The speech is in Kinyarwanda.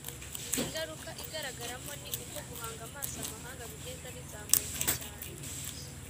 ingaruka igaragaramo ni uko guhanga amaso amahanga bigenda bizamuka cyane,